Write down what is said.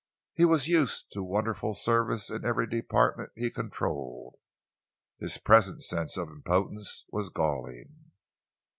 He was used to wonderful service in every department he controlled. His present sense of impotence was galling.